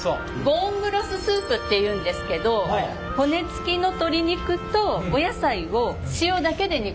ボーンブロススープっていうんですけど骨付きの鶏肉とお野菜を塩だけで煮込んだんですね。